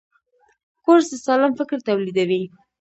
کورس د سالم فکر تولیدوي.